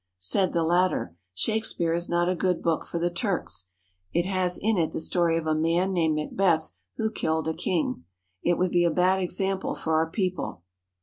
Said the latter :" Shakespeare is not a good book for the Turks. It has in it the story of a man named Macbeth who killed a king. It would be a bad example for our people.''